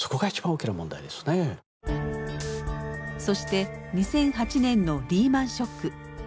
そして２００８年のリーマンショック。